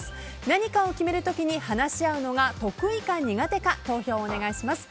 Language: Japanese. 何かを決める時に話し合うのが得意か苦手か投票をお願いします。